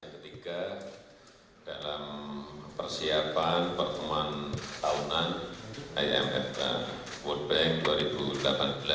ketiga dalam persiapan pertemuan tahunan imf world bank dua ribu delapan belas